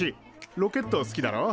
ロケット好きだろ？